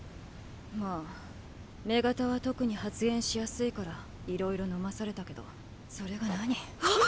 まぁ女型は特に発現しやすいからいろいろ飲まされたけどそれが何？っ！！